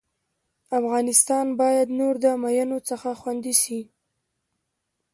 افغانستان بايد نور د مينو څخه خوندي سي